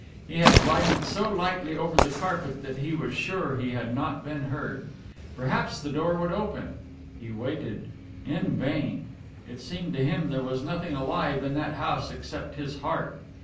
He had glided so lightly over the carpet that he was sure he had not been heard. Perhaps that door would open. He waited. In vain. It seemed to him there was nothing alive in that house except his heart.